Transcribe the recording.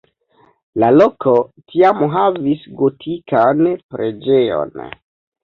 La loko tiam havis gotikan preĝejon.